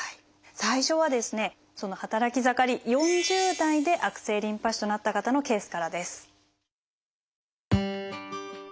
最初はその働き盛り４０代で悪性リンパ腫となった方のケースからです。